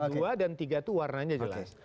dua dan tiga itu warnanya jelas